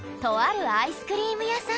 「アイスクリーム屋さん？」